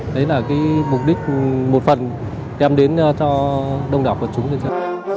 đấy là mục đích một phần đem đến cho đông đảo quần chúng nhân dân